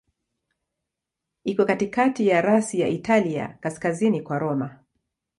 Iko katikati ya rasi ya Italia, kaskazini kwa Roma.